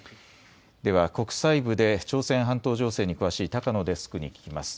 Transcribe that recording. では国際部で朝鮮半島情勢に詳しい高野デスクに聞きます。